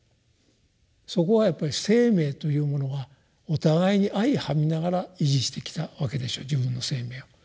そこはやっぱり生命というものはお互いに相食みながら維持してきたわけでしょう自分の生命を。